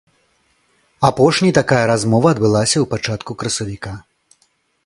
Апошні такая размова адбылася ў пачатку красавіка.